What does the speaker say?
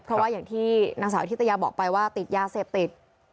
เพราะว่าอย่างที่นางสาวอธิตยาบอกไปว่าติดยาเสพติด